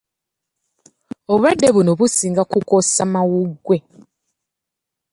Obulwadde buno businga kukosa mawuggwe.